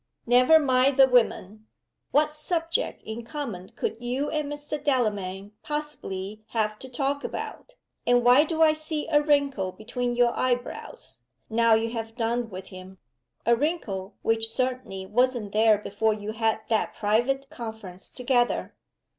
"Never mind the women! What subject in common could you and Mr. Delamayn possibly have to talk about? And why do I see a wrinkle between your eyebrows, now you have done with him? a wrinkle which certainly wasn't there before you had that private conference together?"